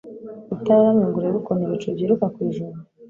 utararamye ngo urebe ukuntu ibicu byiruka ku ijuru